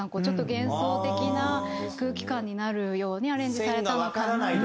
ちょっと幻想的な空気感になるようにアレンジされたのかな。